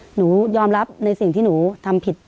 หนูยอมรับในสิ่งที่หนูทำผิด